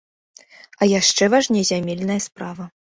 А яшчэ важней зямельная справа.